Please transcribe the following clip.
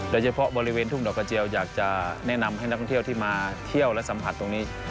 โดยเฉพาะบริเวณทุ่งดอกกระเจียวอยากจะแนะนำให้นักท่องเที่ยวที่มาเที่ยวและสัมผัสตรงนี้